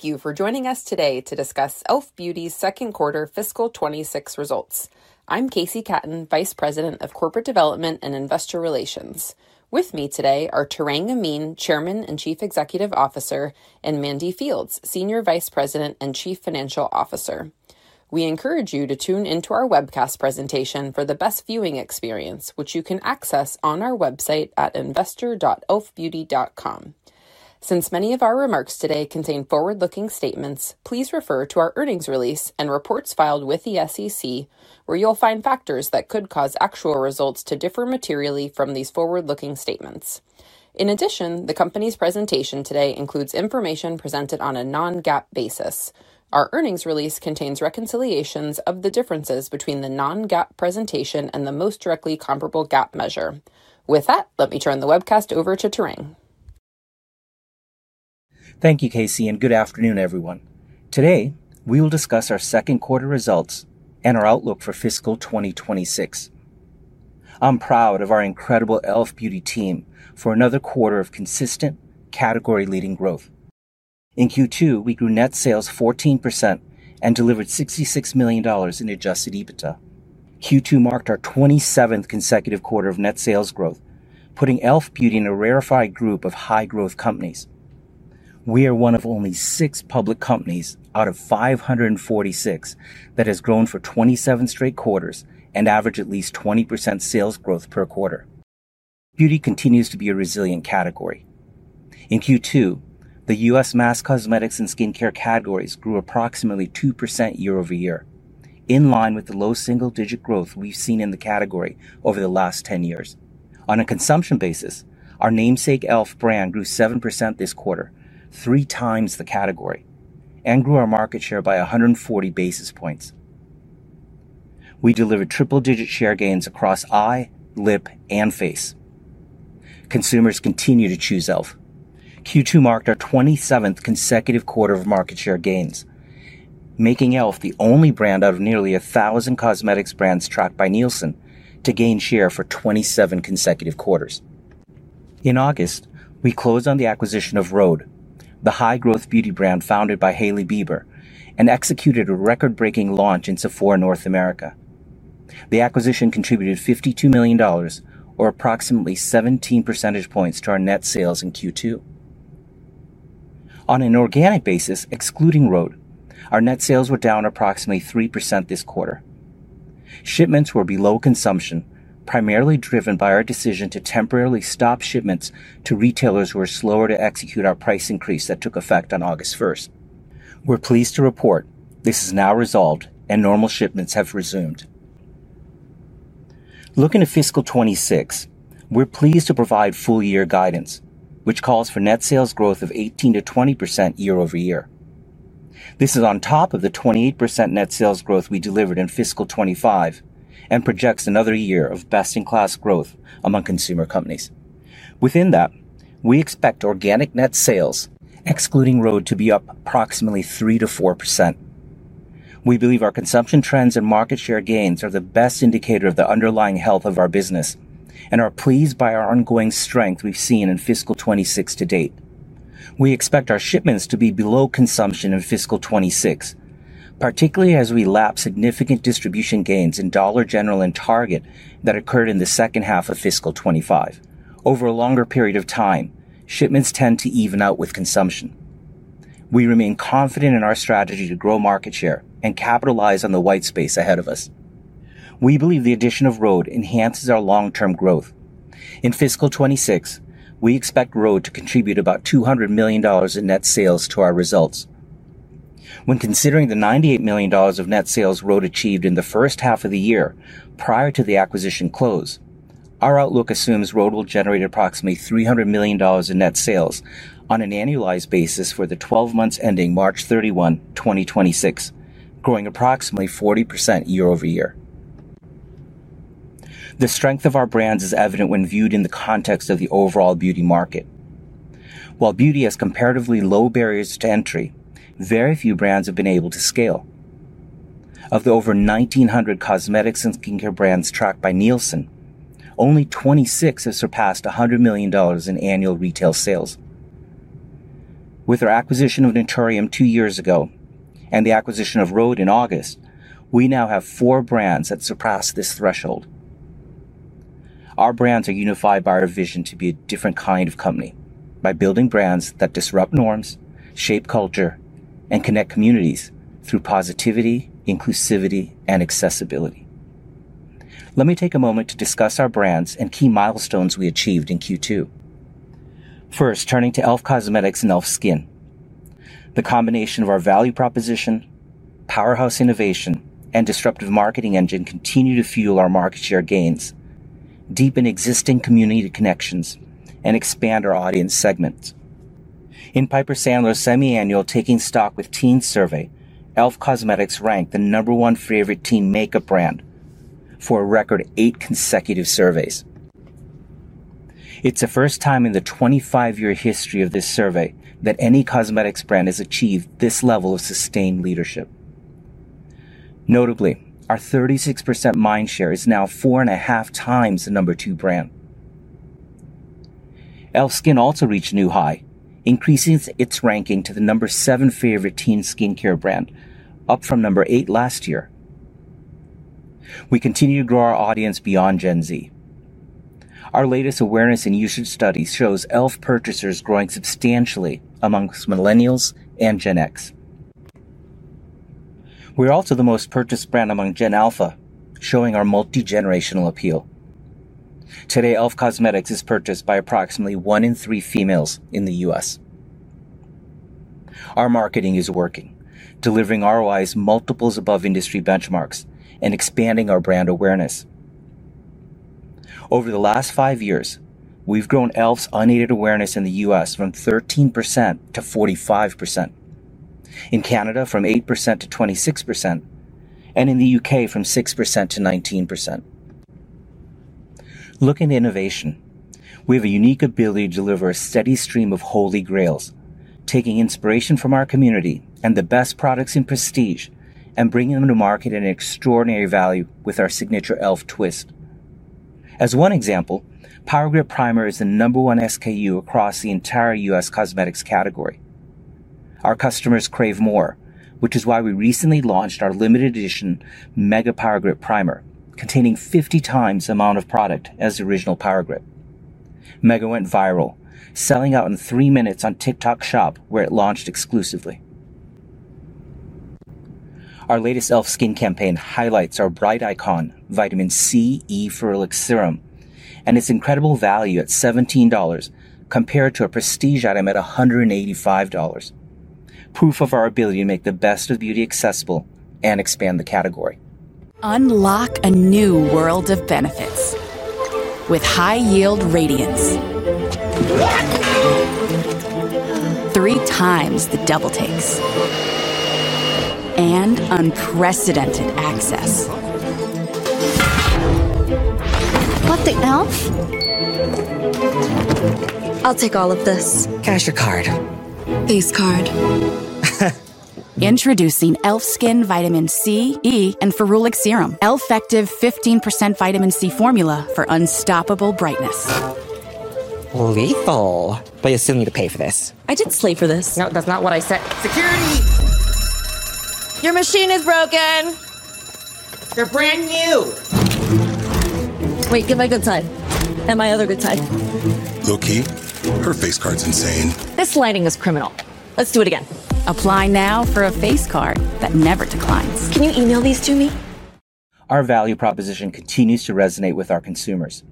Thank you for joining us today to discuss e.l.f. Beauty's second quarter fiscal 2026 results. I'm K.C. Katten, Vice President of Corporate Development and Investor Relations. With me today are Tarang Amin, Chairman and Chief Executive Officer, and Mandy Fields, Senior Vice President and Chief Financial Officer. We encourage you to tune into our webcast presentation for the best viewing experience, which you can access on our website at investor.elfbeauty.com. Since many of our remarks today contain forward-looking statements, please refer to our earnings release and reports filed with the SEC, where you'll find factors that could cause actual results to differ materially from these forward-looking statements. In addition, the company's presentation today includes information presented on a non-GAAP basis. Our earnings release contains reconciliations of the differences between the non-GAAP presentation and the most directly comparable GAAP measure. With that, let me turn the webcast over to Tarang. Thank you, K.C., and good afternoon, everyone. Today, we will discuss our second quarter results and our outlook for fiscal 2026. I'm proud of our incredible e.l.f. Beauty team for another quarter of consistent, category-leading growth. In Q2, we grew net sales 14% and delivered $66 million in adjusted EBITDA. Q2 marked our 27th consecutive quarter of net sales growth, putting e.l.f. Beauty in a rarefied group of high-growth companies. We are one of only six public companies out of 546 that has grown for 27 straight quarters and averaged at least 20% sales growth per quarter. Beauty continues to be a resilient category. In Q2, the U.S. mass cosmetics and skincare categories grew approximately 2% year-over-year, in line with the low single-digit growth we've seen in the category over the last 10 years. On a consumption basis, our namesake e.l.f. brand grew 7% this quarter, three times the category, and grew our market share by 140 basis points. We delivered triple-digit share gains across eye, lip, and face. Consumers continue to choose e.l.f. Q2 marked our 27th consecutive quarter of market share gains, making e.l.f. the only brand out of nearly 1,000 cosmetics brands tracked by Nielsen to gain share for 27 consecutive quarters. In August, we closed on the acquisition of Rhode, the high-growth beauty brand founded by Hailey Bieber, and executed a record-breaking launch in Sephora North America. The acquisition contributed $52 million, or approximately 17 percentage points, to our net sales in Q2. On an organic basis, excluding Rhode, our net sales were down approximately 3% this quarter. Shipments were below consumption, primarily driven by our decision to temporarily stop shipments to retailers who were slower to execute our price increase that took effect on August 1st. We're pleased to report this is now resolved, and normal shipments have resumed. Looking to fiscal 2026, we're pleased to provide full-year guidance, which calls for net sales growth of 18%-20% year-over-year. This is on top of the 28% net sales growth we delivered in fiscal 2025 and projects another year of best-in-class growth among consumer companies. Within that, we expect organic net sales, excluding Rhode, to be up approximately 3%-4%. We believe our consumption trends and market share gains are the best indicator of the underlying health of our business and are pleased by our ongoing strength we've seen in fiscal 2026 to date. We expect our shipments to be below consumption in fiscal 2026, particularly as we lapse significant distribution gains in Dollar General and Target that occurred in the second half of fiscal 2025. Over a longer period of time, shipments tend to even out with consumption. We remain confident in our strategy to grow market share and capitalize on the white space ahead of us. We believe the addition of Rhode enhances our long-term growth. In fiscal 2026, we expect Rhode to contribute about $200 million in net sales to our results. When considering the $98 million of net sales Rhode achieved in the first half of the year prior to the acquisition close, our outlook assumes Rhode will generate approximately $300 million in net sales on an annualized basis for the 12 months ending March 31st, 2026, growing approximately 40% year-over-year. The strength of our brands is evident when viewed in the context of the overall beauty market. While beauty has comparatively low barriers to entry, very few brands have been able to scale. Of the over 1,900 cosmetics and skincare brands tracked by Nielsen, only 26 have surpassed $100 million in annual retail sales. With our acquisition of Naturium two years ago and the acquisition of Rhode in August, we now have four brands that surpass this threshold. Our brands are unified by our vision to be a different kind of company by building brands that disrupt norms, shape culture, and connect communities through positivity, inclusivity, and accessibility. Let me take a moment to discuss our brands and key milestones we achieved in Q2. First, turning to e.l.f. Cosmetics and e.l.f. SKIN. The combination of our value proposition, powerhouse innovation, and disruptive marketing engine continue to fuel our market share gains, deepen existing community connections, and expand our audience segments. In Piper Sandler's semi-annual Taking Stock with Teens survey, e.l.f. Cosmetics ranked the number one favorite teen makeup brand for a record eight consecutive surveys. It is the first time in the 25-year history of this survey that any cosmetics brand has achieved this level of sustained leadership. Notably, our 36% mind share is now 4.5 times the number two brand. e.l.f. SKIN also reached a new high, increasing its ranking to the number seven favorite teen skincare brand, up from number eight last year. We continue to grow our audience beyond Gen Z. Our latest awareness and usage study shows e.l.f. purchasers growing substantially amongst Millennials and Gen X. We are also the most purchased brand among Gen Alpha, showing our multi-generational appeal. Today, e.l.f. Cosmetics is purchased by approximately one in three females in the U.S. Our marketing is working, delivering ROIs multiples above industry benchmarks and expanding our brand awareness. Over the last five years, we've grown e.l.f.'s unaided awareness in the U.S. from 13%-45%. In Canada, from 8%-26%, and in the U.K., from 6%-19%. Looking at innovation, we have a unique ability to deliver a steady stream of holy grails, taking inspiration from our community and the best products in prestige and bringing them to market at an extraordinary value with our signature e.l.f. Twist. As one example, Power Grip Primer is the number one SKU across the entire U.S. cosmetics category. Our customers crave more, which is why we recently launched our limited edition Mega Power Grip Primer, containing 50 times the amount of product as the original Power Grip. Mega went viral, selling out in three minutes on TikTok Shop where it launched exclusively. Our latest e.l.f. SKIN campaign highlights our bright icon, Vitamin C + Vitamin E + Ferulic Serum, and its incredible value at $17 compared to a prestige item at $185. Proof of our ability to make the best of beauty accessible and expand the category. Unlock a new world of benefits. With high-yield radiance. Three times the double takes. Unprecedented access. What the e.l.f.? I'll take all of this. Cash or card? Face card. Introducing e.l.f. SKIN Vitamin C + Vitamin E + Ferulic Serum. E.l.f.-fective 15% Vitamin C formula for unstoppable brightness. Lethal. You still need to pay for this. I did slay for this. No, that's not what I said. Security! Your machine is broken! You're brand new! Wait, get my good side. And my other good side. Low-key. Her face card's insane. This lighting is criminal. Let's do it again. Apply now for a face card that never declines. Can you email these to me? Our value proposition continues to resonate with our consumers.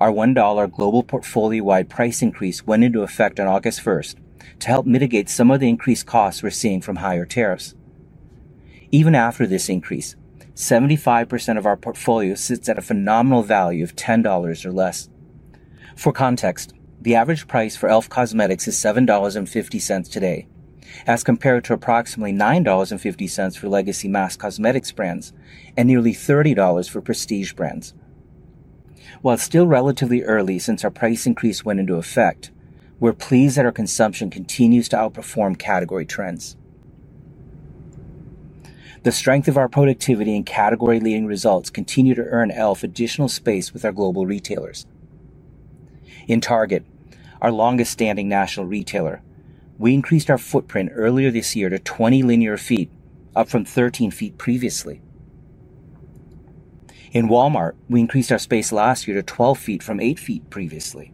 Our $1 global portfolio-wide price increase went into effect on August 1st to help mitigate some of the increased costs we're seeing from higher tariffs. Even after this increase, 75% of our portfolio sits at a phenomenal value of $10 or less. For context, the average price for e.l.f. Cosmetics is $7.50 today, as compared to approximately $9.50 for legacy mass cosmetics brands and nearly $30 for prestige brands. While it's still relatively early since our price increase went into effect, we're pleased that our consumption continues to outperform category trends. The strength of our productivity and category-leading results continue to earn e.l.f. additional space with our global retailers. In Target, our longest-standing national retailer, we increased our footprint earlier this year to 20 linear feet, up from 13 feet previously. In Walmart, we increased our space last year to 12 feet from 8 feet previously.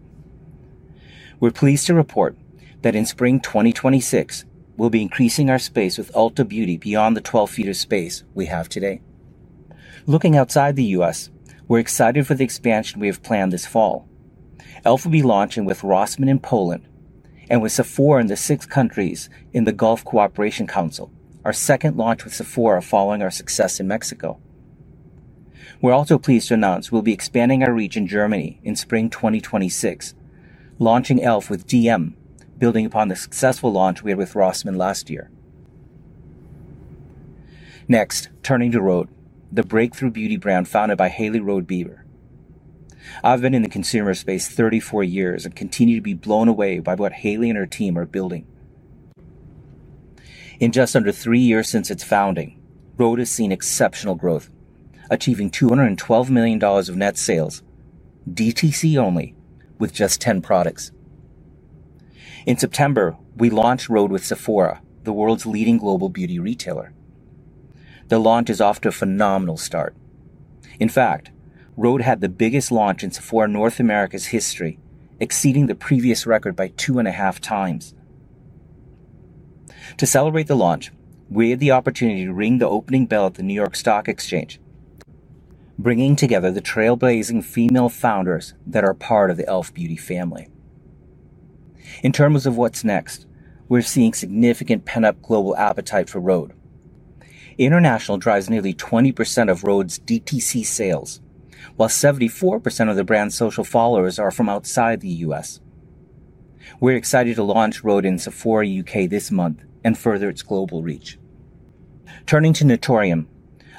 We're pleased to report that in spring 2026, we'll be increasing our space with Ulta Beauty beyond the 12 feet of space we have today. Looking outside the U.S., we're excited for the expansion we have planned this fall. e.l.f. will be launching with Rossmann in Poland and with Sephora in the six countries in the Gulf Cooperation Council, our second launch with Sephora following our success in Mexico. We're also pleased to announce we'll be expanding our reach in Germany in spring 2026, launching e.l.f. with DM, building upon the successful launch we had with Rossmann last year. Next, turning to Rhode, the breakthrough beauty brand founded by Hailey Rhode Bieber. I've been in the consumer space 34 years and continue to be blown away by what Hailey and her team are building. In just under three years since its founding, Rhode has seen exceptional growth, achieving $212 million of net sales, DTC only, with just 10 products. In September, we launched Rhode with Sephora, the world's leading global beauty retailer. The launch is off to a phenomenal start. In fact, Rhode had the biggest launch in Sephora North America's history, exceeding the previous record by 2.5 times. To celebrate the launch, we had the opportunity to ring the opening bell at the New York Stock Exchange, bringing together the trailblazing female founders that are part of the e.l.f. Beauty family. In terms of what's next, we're seeing significant pent-up global appetite for Rhode. International drives nearly 20% of Rhode's DTC sales, while 74% of the brand's social followers are from outside the U.S. We're excited to launch Rhode in Sephora, U.K., this month and further its global reach. Turning to Naturium,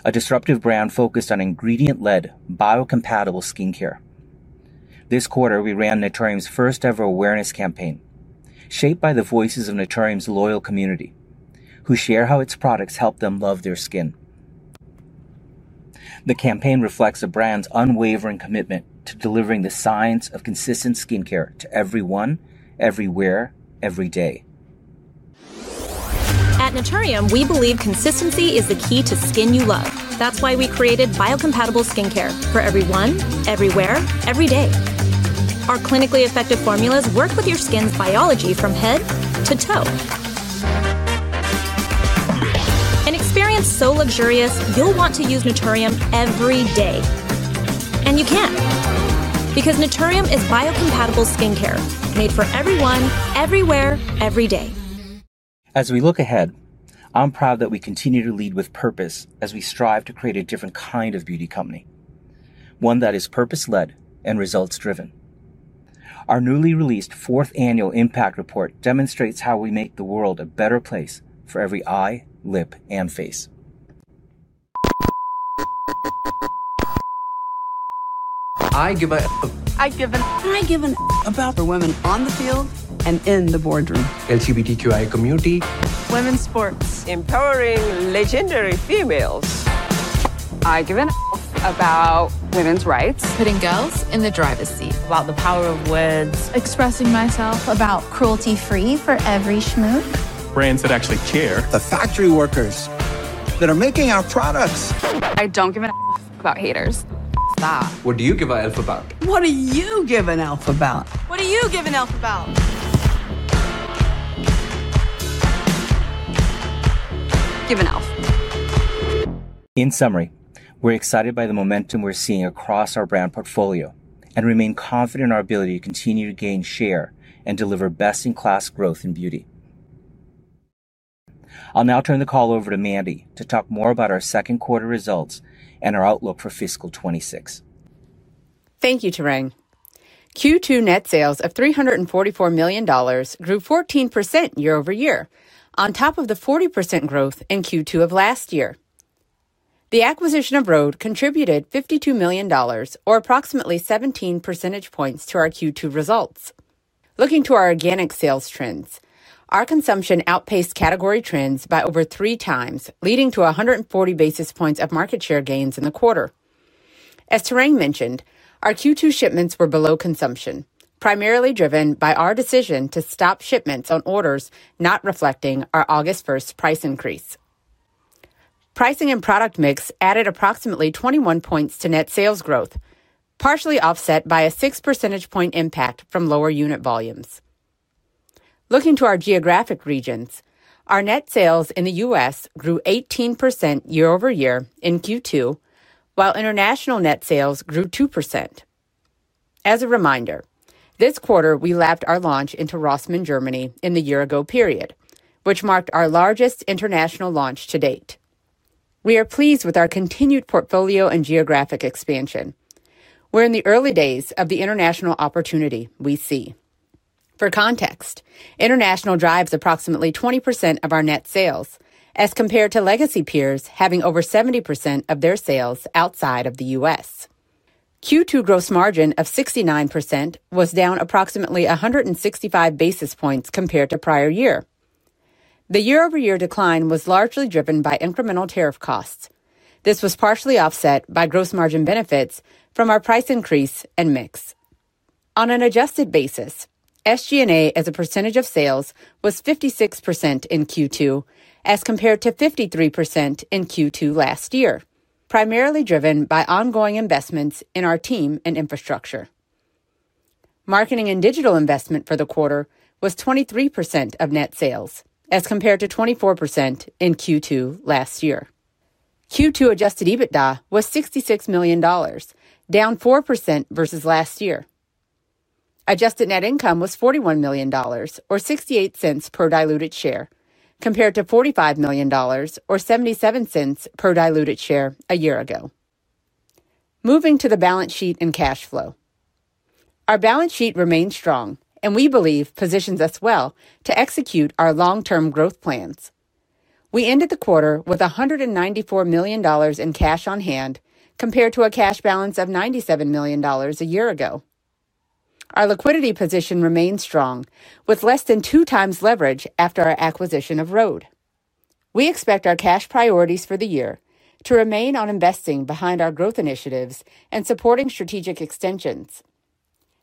a disruptive brand focused on ingredient-led, biocompatible skincare. This quarter, we ran Naturium's first-ever awareness campaign, shaped by the voices of Naturium's loyal community, who share how its products help them love their skin. The campaign reflects the brand's unwavering commitment to delivering the science of consistent skincare to everyone, everywhere, every day. At Naturium, we believe consistency is the key to skin you love. That is why we created biocompatible skincare for everyone, everywhere, every day. Our clinically effective formulas work with your skin's biology from head to toe. An experience so luxurious you will want to use Naturium every day. You can, because Naturium is biocompatible skincare made for everyone, everywhere, every day. As we look ahead, I'm proud that we continue to lead with purpose as we strive to create a different kind of beauty company, one that is purpose-led and results-driven. Our newly released fourth annual impact report demonstrates how we make the world a better place for every eye, lip, and face. franchise and the demand for our products. community and the demand for our products. that we are seeing for our innovation. About... For women on the field and in the boardroom. LGBTQIA community. Women's sports. Empowering legendary females. community and the excitement around our innovation. About women's rights. Putting girls in the driver's seat. About the power of words. Expressing myself. About cruelty-free for every schmooze. Brands that actually care. The factory workers that are making our products. I don't give an... About haters. What do you give an... What do you give an... What do you give an... overall Power Grip Primer sales? In summary, we're excited by the momentum we're seeing across our brand portfolio and remain confident in our ability to continue to gain share and deliver best-in-class growth in beauty. I'll now turn the call over to Mandy to talk more about our second quarter results and our outlook for fiscal 2026. Thank you, Tarang. Q2 net sales of $344 million grew 14% year-over-year, on top of the 40% growth in Q2 of last year. The acquisition of Rhode contributed $52 million, or approximately 17 percentage points, to our Q2 results. Looking to our organic sales trends, our consumption outpaced category trends by over three times, leading to 140 basis points of market share gains in the quarter. As Tarang mentioned, our Q2 shipments were below consumption, primarily driven by our decision to stop shipments on orders not reflecting our August 1st price increase. Pricing and product mix added approximately 21 points to net sales growth, partially offset by a 6 percentage point impact from lower unit volumes. Looking to our geographic regions, our net sales in the U.S. grew 18% year-over-year in Q2, while international net sales grew 2%. As a reminder, this quarter we lapped our launch into Rossmann, Germany, in the year-ago period, which marked our largest international launch to date. We are pleased with our continued portfolio and geographic expansion. We're in the early days of the international opportunity we see. For context, international drives approximately 20% of our net sales, as compared to legacy peers having over 70% of their sales outside of the U.S. Q2 gross margin of 69% was down approximately 165 basis points compared to prior year. The year-over-year decline was largely driven by incremental tariff costs. This was partially offset by gross margin benefits from our price increase and mix. On an adjusted basis, SG&A as a percentage of sales was 56% in Q2, as compared to 53% in Q2 last year, primarily driven by ongoing investments in our team and infrastructure. Marketing and digital investment for the quarter was 23% of net sales, as compared to 24% in Q2 last year. Q2 adjusted EBITDA was $66 million, down 4% versus last year. Adjusted net income was $41 million, or $0.68 per diluted share, compared to $45 million, or $0.77 per diluted share a year ago. Moving to the balance sheet and cash flow. Our balance sheet remains strong, and we believe positions us well to execute our long-term growth plans. We ended the quarter with $194 million in cash on hand, compared to a cash balance of $97 million a year ago. Our liquidity position remains strong, with less than two times leverage after our acquisition of Rhode. We expect our cash priorities for the year to remain on investing behind our growth initiatives and supporting strategic extensions.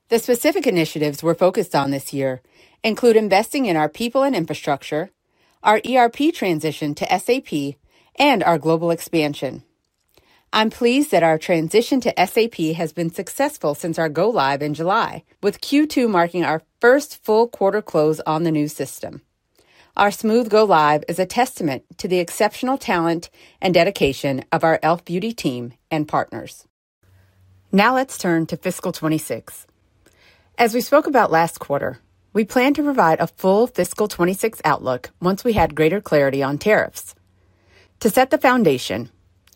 The specific initiatives we're focused on this year include investing in our people and infrastructure, our ERP transition to SAP, and our global expansion. I'm pleased that our transition to SAP has been successful since our go-live in July, with Q2 marking our first full quarter close on the new system. Our smooth go-live is a testament to the exceptional talent and dedication of our e.l.f. Beauty team and partners. Now let's turn to fiscal 2026. As we spoke about last quarter, we plan to provide a full fiscal 2026 outlook once we had greater clarity on tariffs. To set the foundation,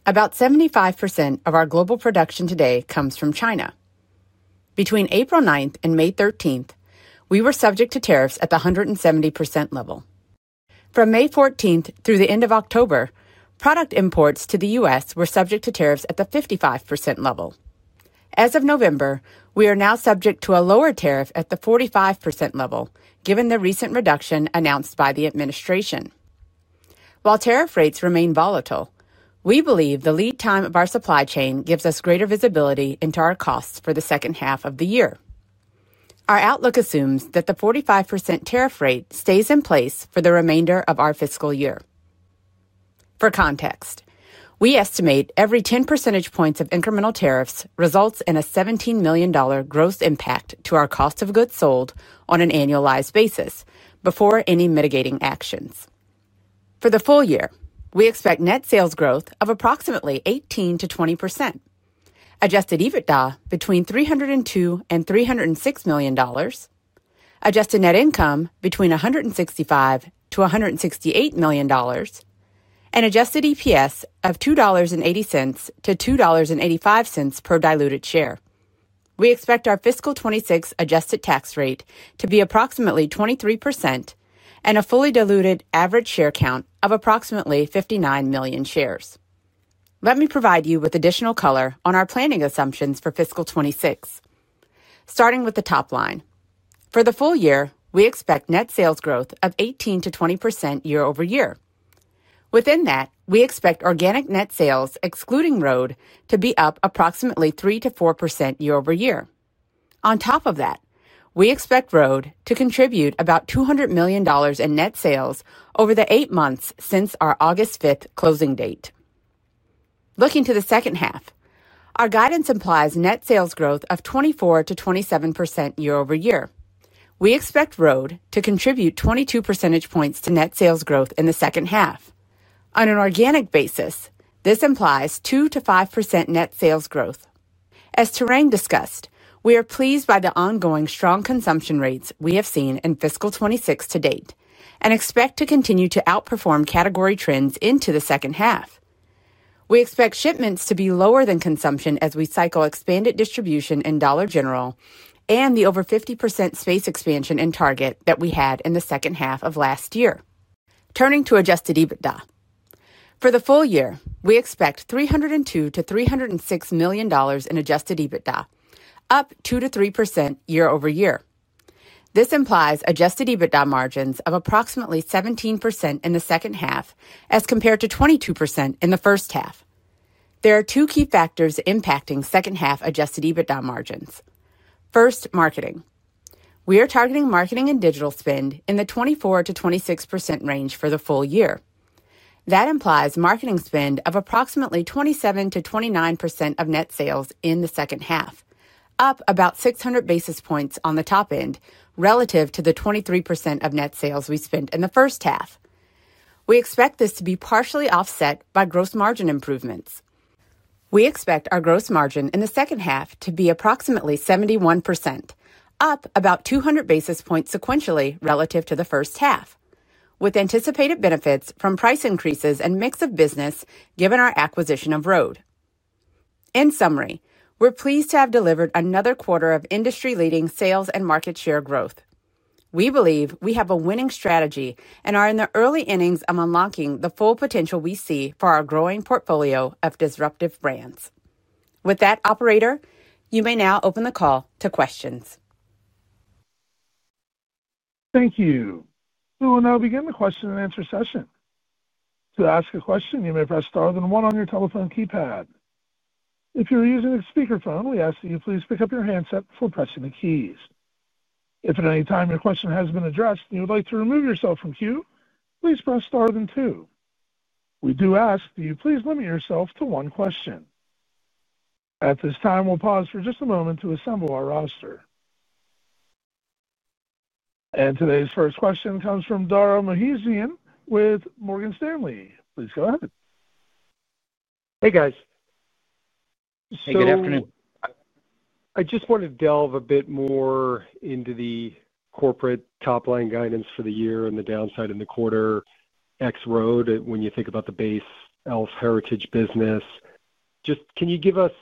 about 75% of our global production today comes from China. Between April 9th and May 13th, we were subject to tariffs at the 170% level. From May 14th through the end of October, product imports to the U.S. were subject to tariffs at the 55% level. As of November, we are now subject to a lower tariff at the 45% level, given the recent reduction announced by the administration. While tariff rates remain volatile, we believe the lead time of our supply chain gives us greater visibility into our costs for the second half of the year. Our outlook assumes that the 45% tariff rate stays in place for the remainder of our fiscal year. For context, we estimate every 10 percentage points of incremental tariffs results in a $17 million gross impact to our cost of goods sold on an annualized basis before any mitigating actions. For the full year, we expect net sales growth of approximately 18%-20%. Adjusted EBITDA between $302 million-$306 million. Adjusted net income between $165 million-$168 million, and adjusted EPS of $2.80-$2.85 per diluted share. We expect our fiscal 2026 adjusted tax rate to be approximately 23% and a fully diluted average share count of approximately 59 million shares. Let me provide you with additional color on our planning assumptions for fiscal 2026. Starting with the top line, for the full year, we expect net sales growth of 18%-20% year-over-year. Within that, we expect organic net sales, excluding Rhode, to be up approximately 3%-4% year-over-year. On top of that, we expect Rhode to contribute about $200 million in net sales over the eight months since our August 5th closing date. Looking to the second half, our guidance implies net sales growth of 24%-27% year-over-year. We expect Rhode to contribute 22 percentage points to net sales growth in the second half. On an organic basis, this implies 2%-5% net sales growth. As Tarang discussed, we are pleased by the ongoing strong consumption rates we have seen in fiscal 2026 to date and expect to continue to outperform category trends into the second half. We expect shipments to be lower than consumption as we cycle expanded distribution in Dollar General and the over 50% space expansion in Target that we had in the second half of last year. Turning to adjusted EBITDA, for the full year, we expect $302 million-$306 million in adjusted EBITDA, up 2%-3% year-over-year. This implies adjusted EBITDA margins of approximately 17% in the second half as compared to 22% in the first half. There are two key factors impacting second-half adjusted EBITDA margins. First, marketing. We are targeting marketing and digital spend in the 24%-26% range for the full year. That implies marketing spend of approximately 27%-29% of net sales in the second half, up about 600 basis points on the top end relative to the 23% of net sales we spent in the first half. We expect this to be partially offset by gross margin improvements. We expect our gross margin in the second half to be approximately 71%, up about 200 basis points sequentially relative to the first half, with anticipated benefits from price increases and mix of business given our acquisition of Rhode. In summary, we're pleased to have delivered another quarter of industry-leading sales and market share growth. We believe we have a winning strategy and are in the early innings of unlocking the full potential we see for our growing portfolio of disruptive brands. With that, operator, you may now open the call to questions. Thank you. We will now begin the question-and-answer session. To ask a question, you may press star then one on your telephone keypad. If you're using a speakerphone, we ask that you please pick up your handset before pressing the keys. If at any time your question has been addressed and you would like to remove yourself from queue, please press star then two. We do ask, do you please limit yourself to one question. At this time, we'll pause for just a moment to assemble our roster. Today's first question comes from Dara Mohsenian with Morgan Stanley. Please go ahead. Hey, guys. Hey, good afternoon. I just want to delve a bit more into the corporate top-line guidance for the year and the downside in the quarter ex-Rhode when you think about the base e.l.f. heritage business. Just can you give us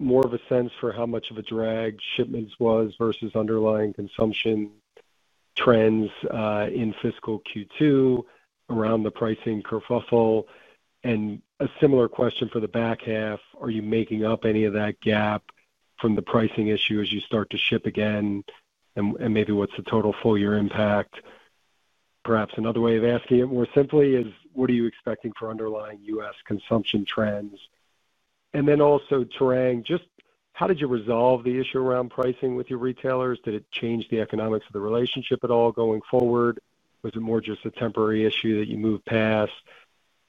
more of a sense for how much of a drag shipments was versus underlying consumption? Trends in fiscal Q2 around the pricing kerfuffle? A similar question for the back half, are you making up any of that gap from the pricing issue as you start to ship again? Maybe what's the total full-year impact? Perhaps another way of asking it more simply is, what are you expecting for underlying U.S. consumption trends? Also, Tarang, just how did you resolve the issue around pricing with your retailers? Did it change the economics of the relationship at all going forward? Was it more just a temporary issue that you moved past?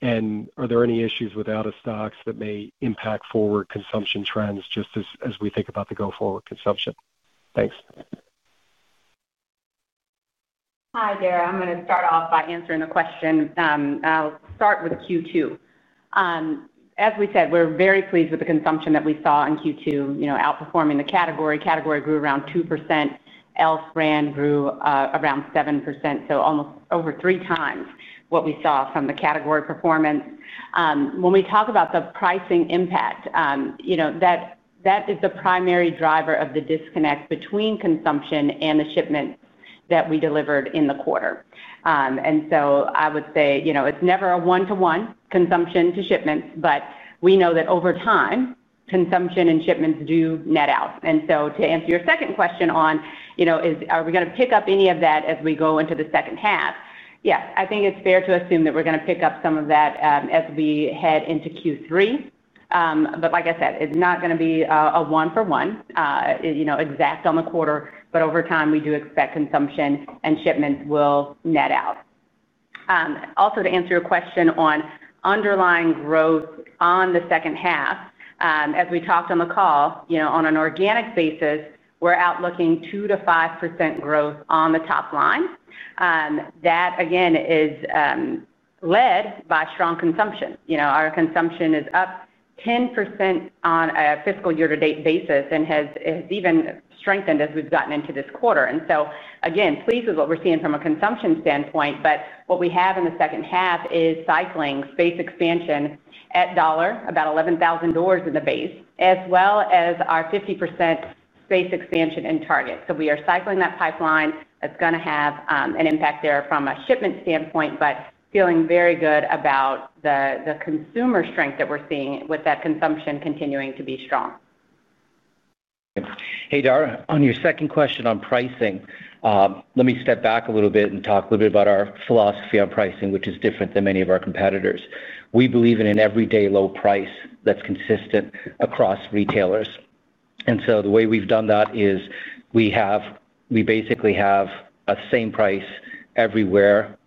Are there any issues with out-of-stocks that may impact forward consumption trends just as we think about the go-forward consumption? Thanks. Hi, there. I'm going to start off by answering the question. I'll start with Q2. As we said, we're very pleased with the consumption that we saw in Q2, outperforming the category. Category grew around 2%. e.l.f. brand grew around 7%, so almost over three times what we saw from the category performance. When we talk about the pricing impact, that is the primary driver of the disconnect between consumption and the shipments that we delivered in the quarter. I would say it's never a one-to-one consumption to shipments, but we know that over time, consumption and shipments do net out. To answer your second question on, are we going to pick up any of that as we go into the second half? Yes, I think it's fair to assume that we're going to pick up some of that as we head into Q3. But like I said, it's not going to be a one-for-one exact on the quarter, but over time, we do expect consumption and shipments will net out. Also, to answer your question on underlying growth on the second half, as we talked on the call, on an organic basis, we're outlooking 2%-5% growth on the top line. That, again, is led by strong consumption. Our consumption is up 10% on a fiscal year-to-date basis and has even strengthened as we've gotten into this quarter. Again, pleased with what we're seeing from a consumption standpoint, but what we have in the second half is cycling space expansion at Dollar General, about $11,000 in the base, as well as our 50% space expansion in Target. We are cycling that pipeline. That's going to have an impact there from a shipment standpoint, but feeling very good about the consumer strength that we're seeing with that consumption continuing to be strong. Hey, Dara. On your second question on pricing, let me step back a little bit and talk a little bit about our philosophy on pricing, which is different than many of our competitors. We believe in an everyday low price that's consistent across retailers. The way we've done that is we basically have a same price everywhere,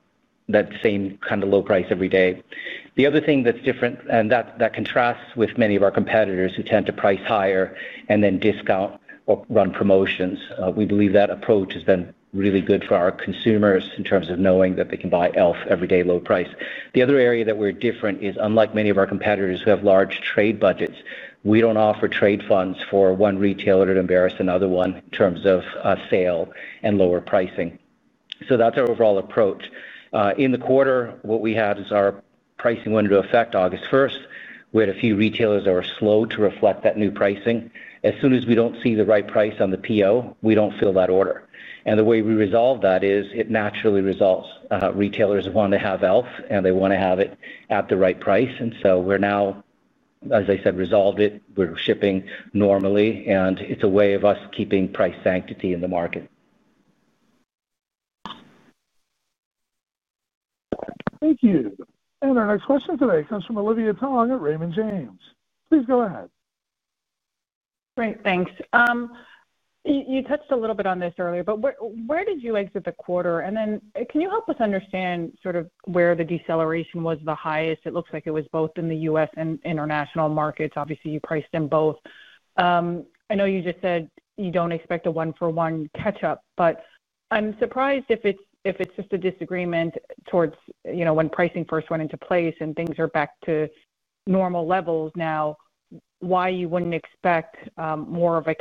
that same kind of low price every day. The other thing that's different, and that contrasts with many of our competitors who tend to price higher and then discount or run promotions, we believe that approach has been really good for our consumers in terms of knowing that they can buy e.l.f. everyday low price. The other area that we're different is, unlike many of our competitors who have large trade budgets, we don't offer trade funds for one retailer to embarrass another one in terms of sale and lower pricing. That's our overall approach. In the quarter, what we had is our pricing went into effect August 1st. We had a few retailers that were slow to reflect that new pricing. As soon as we do not see the right price on the PO, we do not fill that order. The way we resolve that is it naturally resolves. Retailers want to have e.l.f., and they want to have it at the right price. We have now, as I said, resolved it. We are shipping normally, and it is a way of us keeping price sanctity in the market. Thank you. Our next question today comes from Olivia Tong at Raymond James. Please go ahead. Great. Thanks. You touched a little bit on this earlier, but where did you exit the quarter? Can you help us understand sort of where the deceleration was the highest? It looks like it was both in the U.S. and international markets. Obviously, you priced in both. I know you just said you don't expect a one-for-one catch-up, but I'm surprised if it's just a disagreement towards when pricing first went into place and things are back to normal levels now, why you wouldn't expect more of a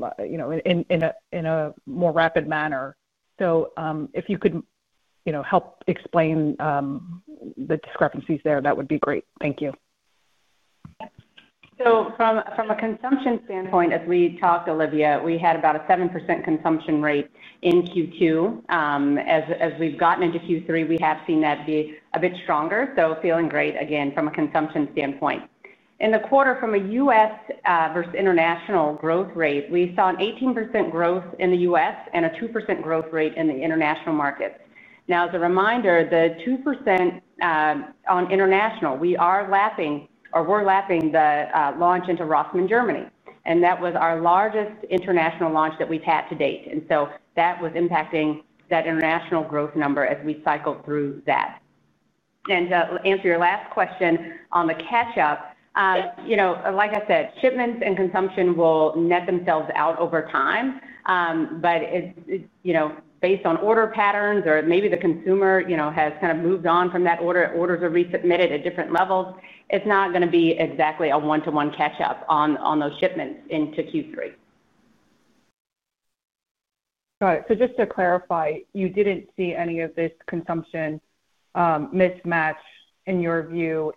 catch-up in a more rapid manner. If you could help explain the discrepancies there, that would be great. Thank you. From a consumption standpoint, as we talked, Olivia, we had about a 7% consumption rate in Q2. As we've gotten into Q3, we have seen that be a bit stronger. Feeling great, again, from a consumption standpoint. In the quarter, from a U.S. versus international growth rate, we saw an 18% growth in the U.S. and a 2% growth rate in the international markets. Now, as a reminder, the 2%. On international, we are lapping or we're lapping the launch into Rossmann, Germany. That was our largest international launch that we've had to date. That was impacting that international growth number as we cycled through that. To answer your last question on the catch-up, like I said, shipments and consumption will net themselves out over time. Based on order patterns or maybe the consumer has kind of moved on from that order, orders are resubmitted at different levels, it's not going to be exactly a one-to-one catch-up on those shipments into Q3. Got it. Just to clarify, you did not see any of this consumption mismatch, in your view,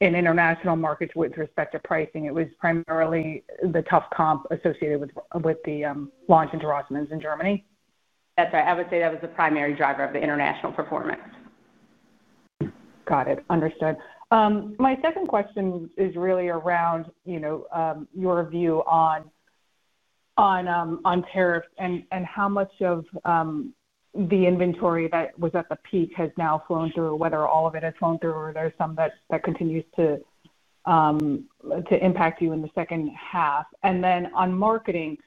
in international markets with respect to pricing? It was primarily the tough comp associated with the launch into Rossmann in Germany? That's right. I would say that was the primary driver of the international performance. Got it. Understood. My second question is really around your view on tariffs and how much of the inventory that was at the peak has now flown through, whether all of it has flown through or there is some that continues to impact you in the second half. On marketing,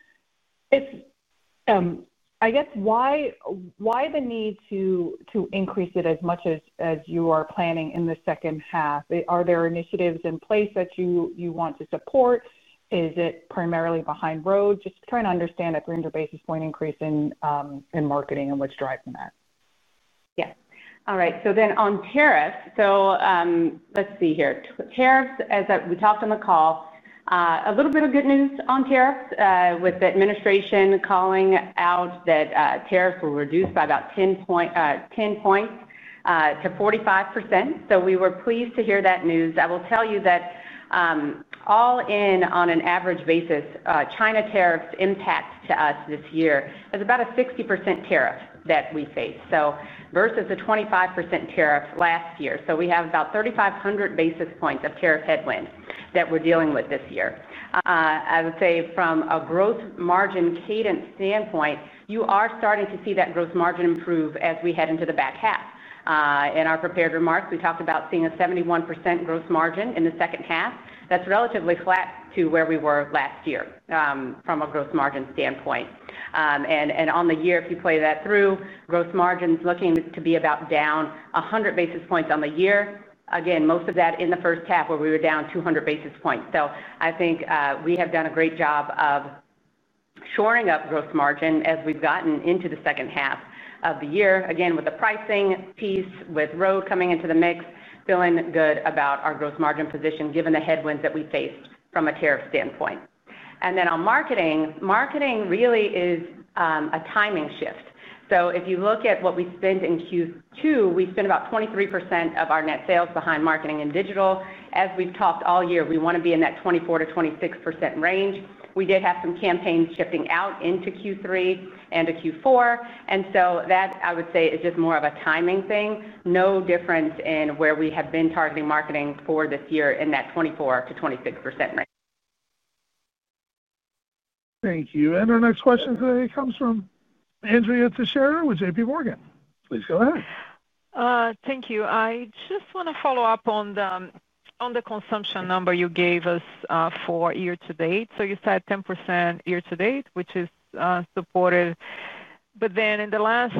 I guess, why the need to increase it as much as you are planning in the second half? Are there initiatives in place that you want to support? Is it primarily behind Rhode? Just trying to understand that 300 basis point increase in marketing and what is driving that. Yes. All right. So then on tariffs, so let's see here. Tariffs, as we talked on the call, a little bit of good news on tariffs with the administration calling out that tariffs were reduced by about 10 percentage points to 45%. So we were pleased to hear that news. I will tell you that all in, on an average basis, China tariffs impact to us this year is about a 60% tariff that we face. So versus the 25% tariff last year. So we have about 3,500 basis points of tariff headwind that we're dealing with this year. I would say from a gross margin cadence standpoint, you are starting to see that gross margin improve as we head into the back half. In our prepared remarks, we talked about seeing a 71% gross margin in the second half. That's relatively flat to where we were last year from a gross margin standpoint. On the year, if you play that through, gross margin is looking to be about down 100 basis points on the year. Again, most of that in the first half where we were down 200 basis points. I think we have done a great job of shoring up gross margin as we've gotten into the second half of the year. With the pricing piece, with Rhode coming into the mix, feeling good about our gross margin position given the headwinds that we faced from a tariff standpoint. On marketing, marketing really is a timing shift. If you look at what we spend in Q2, we spend about 23% of our net sales behind marketing and digital. As we've talked all year, we want to be in that 24%-26% range. We did have some campaigns shifting out into Q3 and to Q4. That, I would say, is just more of a timing thing. No difference in where we have been targeting marketing for this year in that 24%-26% range. Thank you. Our next question today comes from Andrea Teixeira with JPMorgan. Please go ahead. Thank you. I just want to follow up on the consumption number you gave us for year-to-date. You said 10% year-to-date, which is supported. In the last,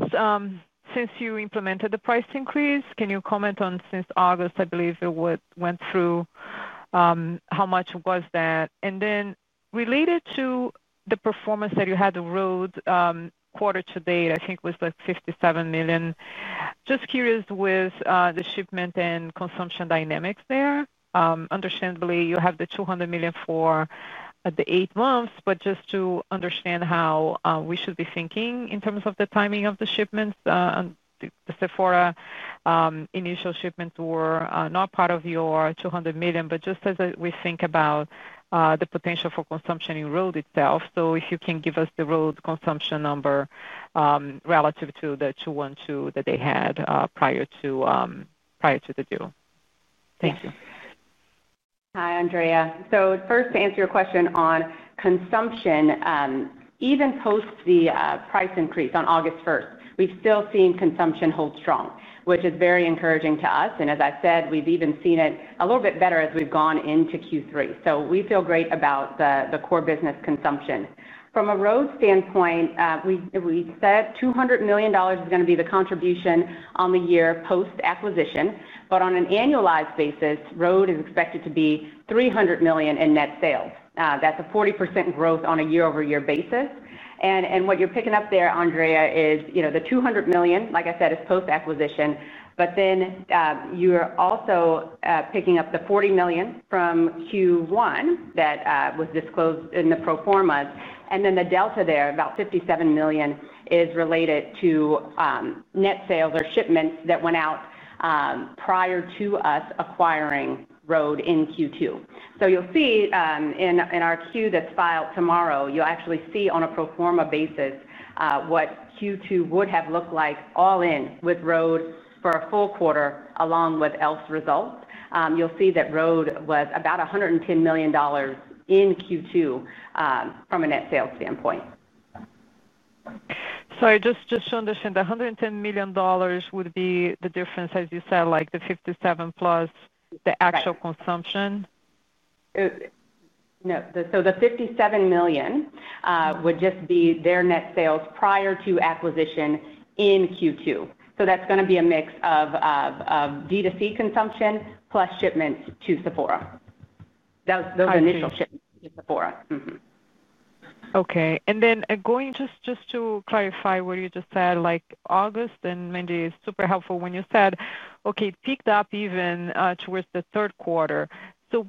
since you implemented the price increase, can you comment on since August, I believe it went through, how much was that? Related to the performance that you had the Rhode quarter-to-date, I think it was like $57 million. Just curious with the shipment and consumption dynamics there. Understandably, you have the $200 million for the eight months, but just to understand how we should be thinking in terms of the timing of the shipments. The Sephora initial shipments were not part of your $200 million, but just as we think about the potential for consumption in Rhode itself. If you can give us the Rhode consumption number relative to the $212 million that they had prior to the deal. Thank you. Hi, Andrea. First, to answer your question on consumption. Even post the price increase on August 1st, we've still seen consumption hold strong, which is very encouraging to us. As I said, we've even seen it a little bit better as we've gone into Q3. We feel great about the core business consumption. From a Rhode standpoint, we said $200 million is going to be the contribution on the year post-acquisition. On an annualized basis, Rhode is expected to be $300 million in net sales. That's a 40% growth on a year-over-year basis. What you're picking up there, Andrea, is the $200 million, like I said, is post-acquisition, but then you're also picking up the $40 million from Q1 that was disclosed in the pro formas. The delta there, about $57 million, is related to net sales or shipments that went out. Prior to us acquiring Rhode in Q2. You'll see in our Q that is filed tomorrow, you'll actually see on a pro forma basis what Q2 would have looked like all in with Rhode for a full quarter along with e.l.f.'s results. You'll see that Rhode was about $110 million in Q2 from a net sales standpoint. Sorry, just to understand, the $110 million would be the difference, as you said, like the $57 million plus the actual consumption? No. So the $57 million would just be their net sales prior to acquisition in Q2. That is going to be a mix of DTC consumption plus shipments to Sephora, those initial shipments to Sephora. Okay. And then just to clarify what you just said, August and Monday is super helpful when you said, okay, picked up even towards the third quarter.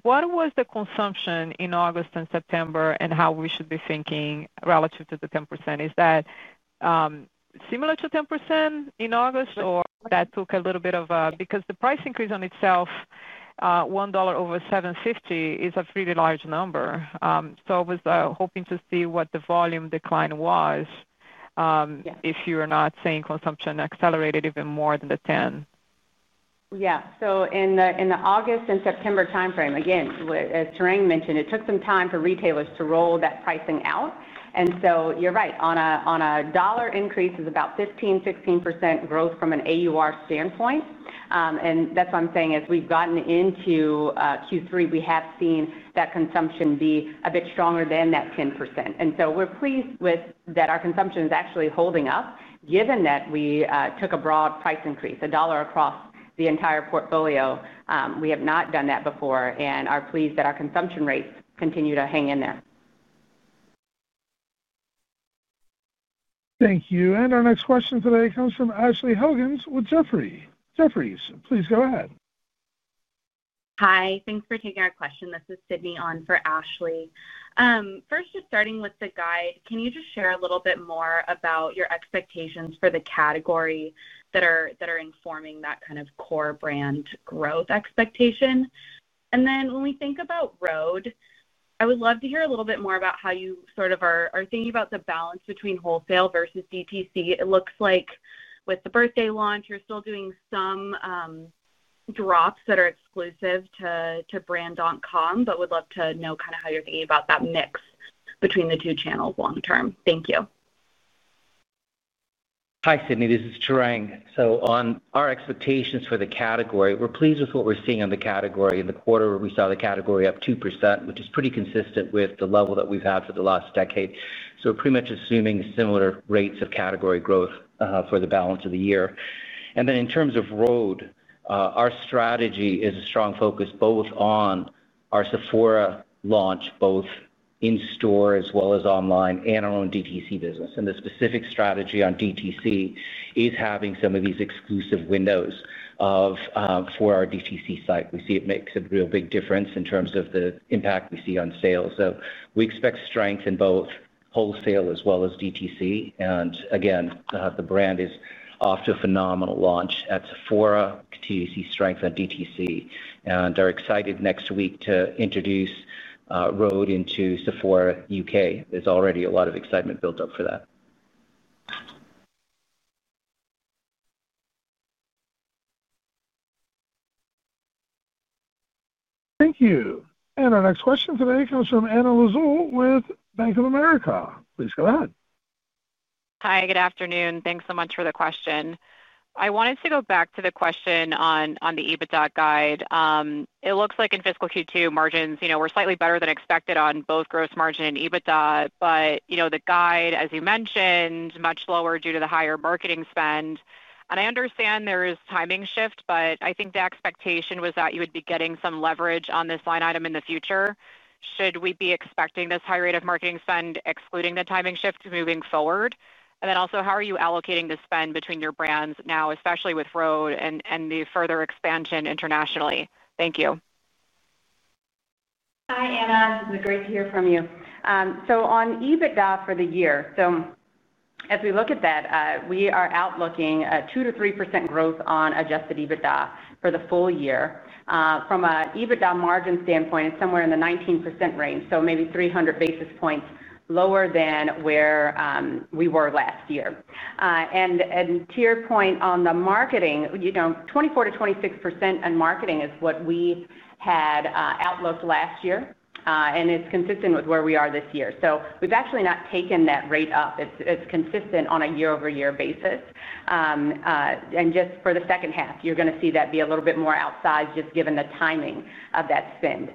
What was the consumption in August and September and how should we be thinking relative to the 10%? Is that similar to 10% in August, or that took a little bit of a because the price increase on itself. $1,750 is a pretty large number. I was hoping to see what the volume decline was. If you are not saying consumption accelerated even more than the 10%. Yeah. In the August and September timeframe, again, as Tarang mentioned, it took some time for retailers to roll that pricing out. You're right. On a dollar increase, it's about 15%-16% growth from an AUR standpoint. That's what I'm saying is we've gotten into Q3, we have seen that consumption be a bit stronger than that 10%. We're pleased that our consumption is actually holding up given that we took a broad price increase, a dollar across the entire portfolio. We have not done that before and are pleased that our consumption rates continue to hang in there. Thank you. Our next question today comes from Ashley Helgans with Jefferies. Jefferies, please go ahead. Hi. Thanks for taking our question. This is Sydney on for Ashley. First, just starting with the guide, can you just share a little bit more about your expectations for the category that are informing that kind of core brand growth expectation? When we think about Rhode, I would love to hear a little bit more about how you sort of are thinking about the balance between wholesale versus DTC. It looks like with the birthday launch, you're still doing some drops that are exclusive to brand.com, but would love to know kind of how you're thinking about that mix between the two channels long term. Thank you. Hi, Sydney. This is Tarang. On our expectations for the category, we're pleased with what we're seeing on the category in the quarter where we saw the category up 2%, which is pretty consistent with the level that we've had for the last decade. We're pretty much assuming similar rates of category growth for the balance of the year. In terms of Rhode, our strategy is a strong focus both on our Sephora launch, both in-store as well as online, and our own DTC business. The specific strategy on DTC is having some of these exclusive windows for our DTC site. We see it makes a real big difference in terms of the impact we see on sales. We expect strength in both wholesale as well as DTC. The brand is off to a phenomenal launch at Sephora, DTC strength, and DTC. We are excited next week to introduce Rhode into Sephora U.K. There is already a lot of excitement built up for that. Thank you. Our next question today comes from Anna Lizzul with Bank of America. Please go ahead. Hi, good afternoon. Thanks so much for the question. I wanted to go back to the question on the EBITDA guide. It looks like in fiscal Q2, margins were slightly better than expected on both gross margin and EBITDA, but the guide, as you mentioned, much lower due to the higher marketing spend. I understand there is timing shift, but I think the expectation was that you would be getting some leverage on this line item in the future. Should we be expecting this high rate of marketing spend, excluding the timing shift, moving forward? Also, how are you allocating the spend between your brands now, especially with Rhode and the further expansion internationally? Thank you. Hi, Anna. This is great to hear from you. On EBITDA for the year, as we look at that, we are outlooking a 2%-3% growth on adjusted EBITDA for the full year. From an EBITDA margin standpoint, it is somewhere in the 19% range, maybe 300 basis points lower than where we were last year. To your point on the marketing, 24%-26% in marketing is what we had outlooked last year, and it is consistent with where we are this year. We have actually not taken that rate up. It is consistent on a year-over-year basis. Just for the second half, you are going to see that be a little bit more outsized just given the timing of that spend.